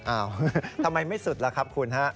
อ้าวทำไมไม่สุดล่ะครับคุณฮะ